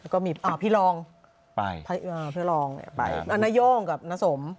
ก็มีพี่รองไปเพื่อรองไปนาย่งกับน้าสม